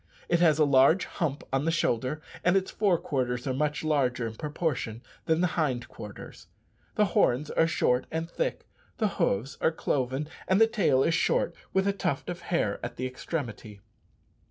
It has a large hump on the shoulder, and its fore quarters are much larger, in proportion, than the hind quarters. The horns are short and thick, the hoofs are cloven, and the tail is short, with a tuft of hair at the extremity.